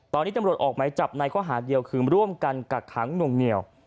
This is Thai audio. ตอนนี้ตำรวจออกไหมจับในข้อหาเดียวคือร่วมกันกักขังหน่วงเหนียว